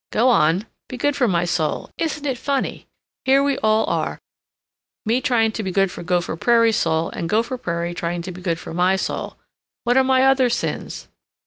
Go on. Be good for my soul. Isn't it funny: here we all are me trying to be good for Gopher Prairie's soul, and Gopher Prairie trying to be good for my soul. What are my other sins?"